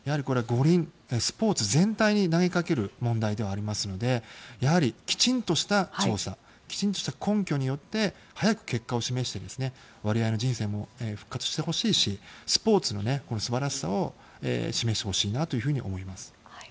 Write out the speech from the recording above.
五輪、スポーツ全体に投げかける問題ではありますのでやはりきちんとした調査根拠によって早く結果を示してワリエワの人生も復活してほしいしスポーツの素晴らしさを示してほしいなと思います。